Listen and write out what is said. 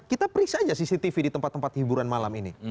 kita periksa aja cctv di tempat tempat hiburan malam ini